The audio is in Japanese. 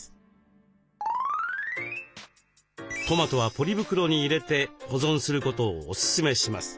トマトはポリ袋に入れて保存することをおすすめします。